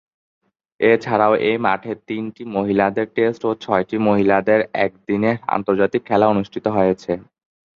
এছাড়াও এ মাঠে তিনটি মহিলাদের টেস্ট ও ছয়টি মহিলাদের একদিনের আন্তর্জাতিক খেলা অনুষ্ঠিত হয়েছে।